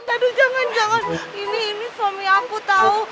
aduh jangan jangan ini suami aku tahu